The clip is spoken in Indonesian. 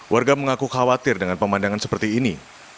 warga mengaku khawatir dengan pemandangan seperti ini